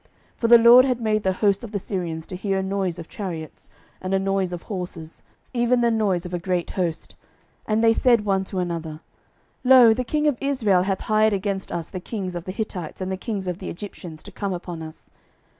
12:007:006 For the LORD had made the host of the Syrians to hear a noise of chariots, and a noise of horses, even the noise of a great host: and they said one to another, Lo, the king of Israel hath hired against us the kings of the Hittites, and the kings of the Egyptians, to come upon us.